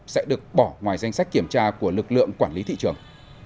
sẽ được bỏ ngoài danh sách kiểm tra của lực lượng quản lý thị trường